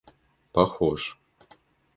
похож